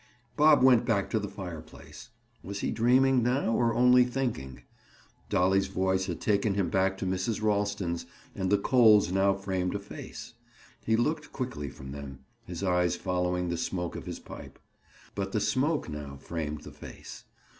Bob went back to the fireplace. Was he dreaming now or only thinking? Dolly's voice had taken him back to Mrs. Ralston's, and the coals now framed a face. He looked quickly from them, his eyes following the smoke of his pipe. But the smoke now framed the face.